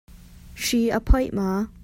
Hri a phoih maw?